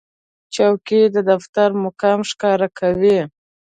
چوکۍ د دفتر مقام ښکاره کوي.